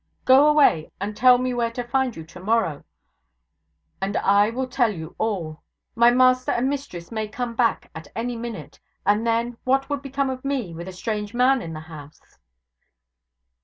'Go away, and tell me where to find you tomorrow, and I will tell you all. My master and mistress may come back at any minute, and then what would become of me, with a strange man in the house?'